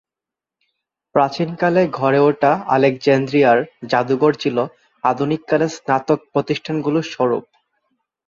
প্রাচীনকালে গড়ে ওঠা আলেকজান্দ্রিয়ার জাদুঘর ছিল আধুনিককালের স্নাতক প্রতিষ্ঠানগুলির সমরূপ।